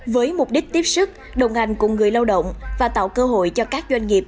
với mục đích tiếp sức đồng hành cùng người lao động và tạo cơ hội cho các doanh nghiệp